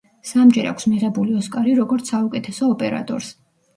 სამჯერ აქვს მიღებული ოსკარი როგორც საუკეთესო ოპერატორს.